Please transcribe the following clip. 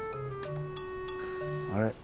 あれ？